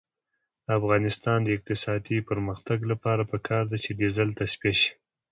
د افغانستان د اقتصادي پرمختګ لپاره پکار ده چې ډیزل تصفیه شي.